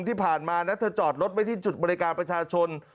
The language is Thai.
ที่ผ่านมานะเธอจอดรถไว้ที่จุดบริการประชาชน